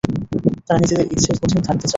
তারা নিজেদের ইচ্ছের অধীন থাকতে চায়!